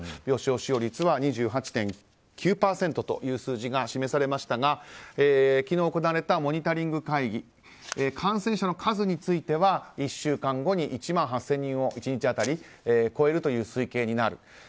病床使用率は２８．９％という数字が示されましたが昨日、行われたモニタリング会議感染者の数については１週間後に、１日当たり１万８０００人を超えるという推計になる。